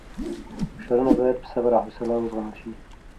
فشارونه باید په صبر او حوصله وزغمل شي.